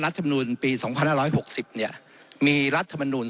รัฐบรนูนปีสองพันห้าร้อยหกสิบเนี่ยมีรัฐบรนูน